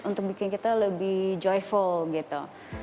untuk bikin kita lebih joyful gitu